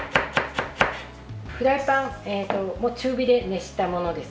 フライパン中火で熱したものです。